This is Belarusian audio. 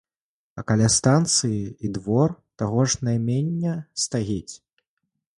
А каля станцыі і двор таго ж наймення стаіць.